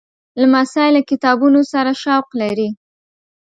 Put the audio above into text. لمسی له کتابونو سره شوق لري.